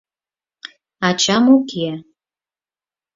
Ачам уке.